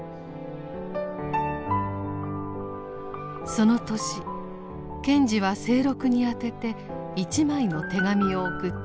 その年賢治は清六に宛てて一枚の手紙を送っています。